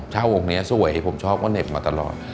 เช่าองค์นี้สวยผมชอบว่าเหน็กมาตลอด